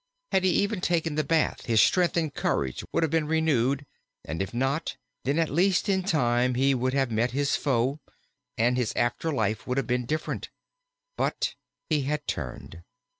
Had he even taken the bath, his strength and courage would have been renewed, and if not, then at least in time he would have met his foe, and his after life would have been different. But he had turned.